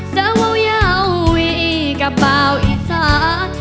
เสื้อเว่าเยาวิคบ่าวอีศา